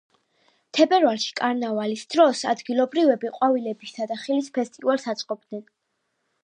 თებერვალში, კარნავალის დროს, ადგილობრივები ყვავილებისა და ხილის ფესტივალს აწყობენ.